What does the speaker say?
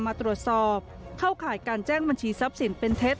มาตรวจสอบเข้าข่ายการแจ้งบัญชีทรัพย์สินเป็นเท็จ